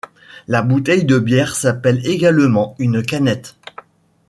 La bouteille de bière s’appelle également une canette.